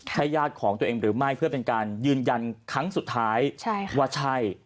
ใช่ญาติของตัวเองหรือไม่เพื่อเป็นการยืนยันครั้งสุดท้ายว่าใช่